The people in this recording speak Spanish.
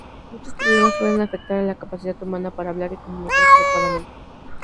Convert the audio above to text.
Muchos problemas pueden afectar a la capacidad humana para hablar y comunicarse adecuadamente.